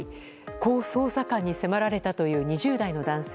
こう、捜査官に迫られたという２０代の男性。